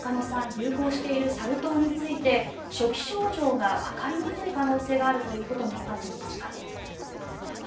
流行しているサル痘について初期症状がわかりにくい可能性があるということもわかってきました。